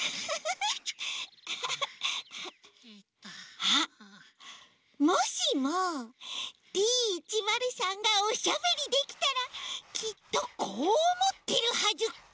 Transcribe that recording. あっもしもＤ１０３がおしゃべりできたらきっとこうおもってるはず。